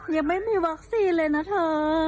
ยังไม่มีวัคซีนเลยนะเธอ